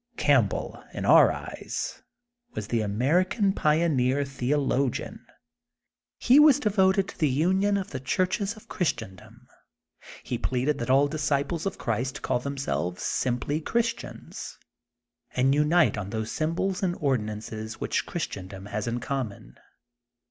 Campbell, in our eyes, was the American pioneer the ologian. He was devoted to the union of the churches of Christendom. He pleaded that all disciples of Christ call themselves simply'* Chris tians, and unite on those symbols and ordi nances which Christendom has in common.